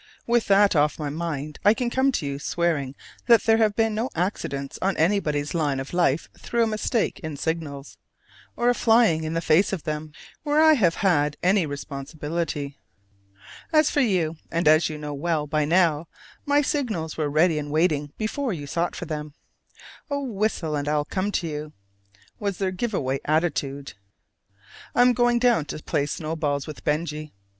With that off my mind I can come to you swearing that there have been no accidents on anybody's line of life through a mistake in signals, or a flying in the face of them, where I have had any responsibility. As for you, and as you know well by now, my signals were ready and waiting before you sought for them. "Oh, whistle, and I'll come to you!" was their giveaway attitude. I am going down to play snowballs with Benjy.